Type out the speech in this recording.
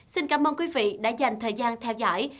xin cảm ơn quý vị đã dành thời gian theo dõi